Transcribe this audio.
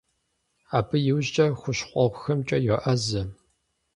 Абы иужькӀэ хущхъуэгъуэхэмкӀэ йоӀэзэ.